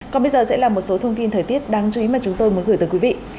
còn bây giờ sẽ là một số thông tin thời tiết đáng chú ý mà chúng tôi muốn gửi tới quý vị